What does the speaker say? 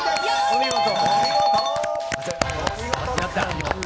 お見事！